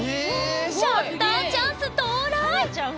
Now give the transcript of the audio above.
シャッターチャンス到来！